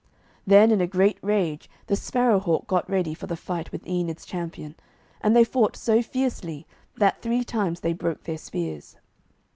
Then, in a great rage, the Sparrow hawk got ready for the fight with Enid's champion, and they fought so fiercely that three times they broke their spears.